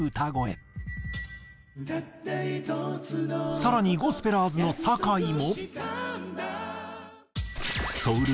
更にゴスペラーズの酒井も。